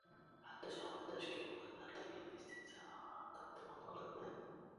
Andijon va Toshkent viloyatlaridagi investitsiya loyihalari taqdimot qilindi